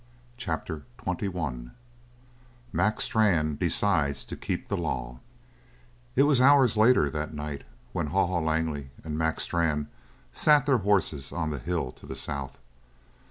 CHAPTER XXI MAC STRANN DECIDES TO KEEP THE LAW It was hours later that night when Haw Haw Langley and Mac Strann sat their horses on the hill to the south.